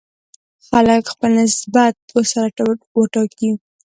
خلک خپل نسبت ورسره وټاکي.